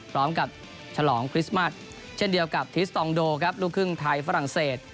พร้อมกับฉลองคริสต์มาสเช่นเดียวกับทริสตองโดลูกครึ่งไทยฝรั่งเศส